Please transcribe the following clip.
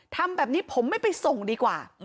ทำแบบนี้ผมไม่ไปส่งดีกว่า